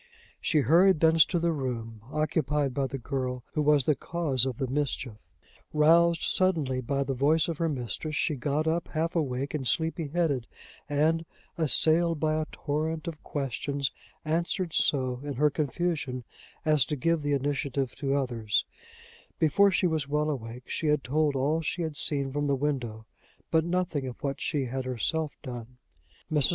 She hurried thence to the room occupied by the girl who was the cause of the mischief. Roused suddenly by the voice of her mistress, she got up half awake, and sleepy headed; and, assailed by a torrent of questions, answered so, in her confusion, as to give the initiative to others: before she was well awake, she had told all she had seen from the window, but nothing of what she had herself done. Mrs.